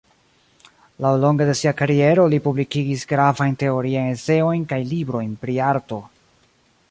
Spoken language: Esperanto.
Laŭlonge de sia kariero li publikigis gravajn teoriajn eseojn kaj librojn pri arto.